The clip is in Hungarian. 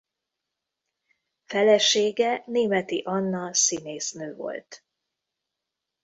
Felesége Némethy Anna színésznő volt.